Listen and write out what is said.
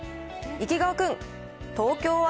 池川君、東京は？